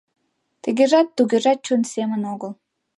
Тыгежат, тугежат чон семын огыл.